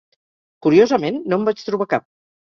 Curiosament, no en vaig trobar cap.